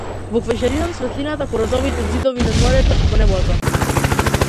Во квечерината, светлина по розовите ѕидови над морето и по небото.